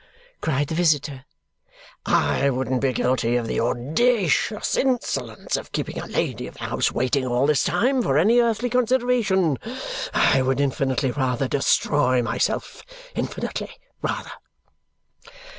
cried the visitor. "I wouldn't be guilty of the audacious insolence of keeping a lady of the house waiting all this time for any earthly consideration. I would infinitely rather destroy myself infinitely rather!"